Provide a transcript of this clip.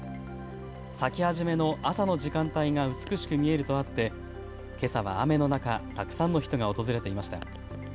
咲き始めの朝の時間帯が美しく見えるとあって、けさは雨の中たくさんの人が訪れていました。